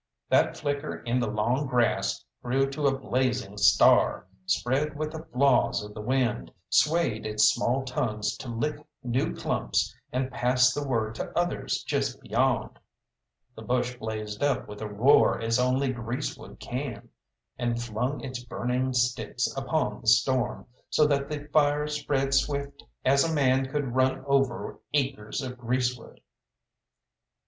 That flicker in the long grass grew to a blazing star, spread with the flaws of the wind, swayed its small tongues to lick new clumps and pass the word to others just beyond. The bush blazed up with a roar as only greasewood can, and flung its burning sticks upon the storm, so that the fire spread swift as a man could run over acres of greasewood.